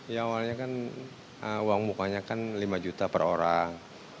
ya awalnya kan uang mukanya kan lima juta per orang